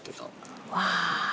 ああ。